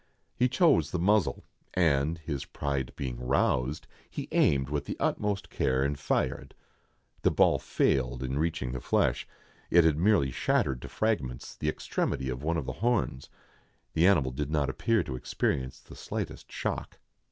He chose the muzzle, and, his pride being roused, he aimed with the utmost care, and fired. The ball failed in reaching the flesh ; it had merely shattered to fragments the extremity of one of the horns. The animal did not appear to experience the slightest shock.